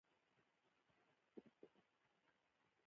ژبني اختلافات پرمختګ ټکنی کوي.